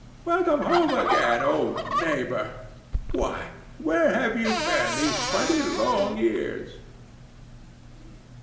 Welcome home, again, old neighbor— Why, where have you been these twenty long years?"